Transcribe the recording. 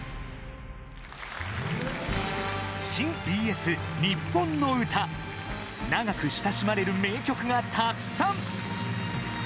「新・ＢＳ日本のうた」長く親しまれる名曲がたくさん！